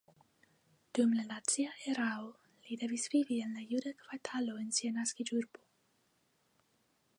Dum la nazia erao li devis vivi en la juda kvartalo en sia naskiĝurbo.